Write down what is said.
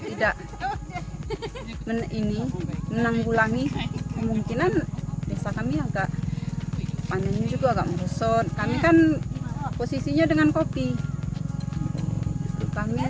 tidak menanggulangi kemungkinan desa kami agak panennya juga agak merusak kami kan posisinya dengan kopi